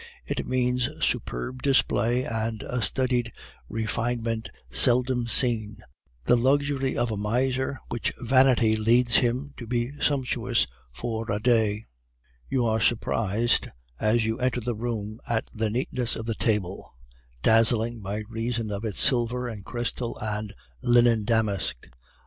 It means superb display and a studied refinement seldom seen; the luxury of a miser when vanity leads him to be sumptuous for a day. "You are surprised as you enter the room at the neatness of the table, dazzling by reason of its silver and crystal and linen damask.